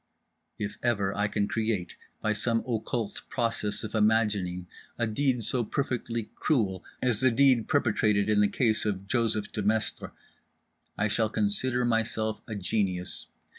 If ever I can create by some occult process of imagining a deed so perfectly cruel as the deed perpetrated in the case of Joseph Demestre, I shall consider myself a genius.